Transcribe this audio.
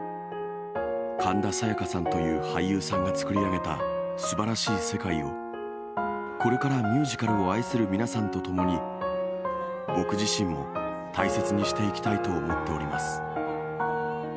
神田沙也加さんという俳優さんが作り上げたすばらしい世界を、これからミュージカルを愛する皆さんと共に、僕自身も大切にしていきたいと思っております。